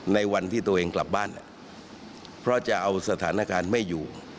ในวันที่ตัวเองกลับบ้านเพราะจะเอาสถานการณ์ไม่อยู่